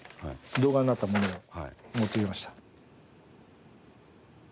動画になったものを持ってきました。